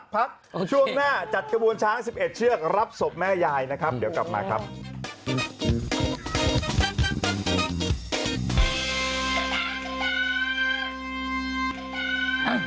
พักช่วงหน้าจัดกระบวนช้าง๑๑เชือกรับศพแม่ยายนะครับเดี๋ยวกลับมาครับ